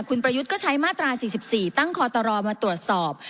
คุณประยุทธ์ก็ใช้มาตราสี่สิบสี่ตั้งคอตรอมาตรวจสอบ